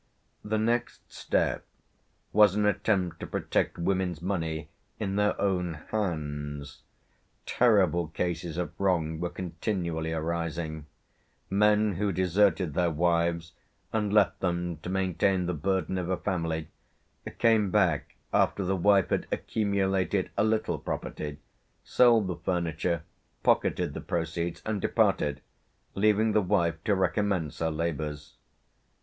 The next step was an attempt to protect women's money in their own hands; terrible cases of wrong were continually arising: men who deserted their wives, and left them to maintain the burden of a family, came back after the wife had accumulated a little property, sold the furniture, pocketed the proceeds, and departed, leaving the wife to recommence her labours.